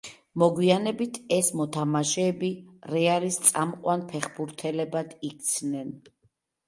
მოგვიანებით ეს მოთამაშეები რეალის წამყვან ფეხბურთელებად იქცნენ.